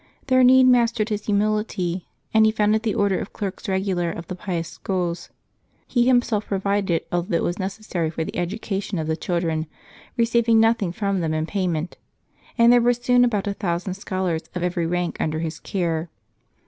Their need mastered his humility, and he founded the Order of Clerks Eegular of the Pious Schools. He himself provided all that was necessary for the education of the children, receiving nothing from them in payment, and there were soon about a thousand scholars of every rank under his care.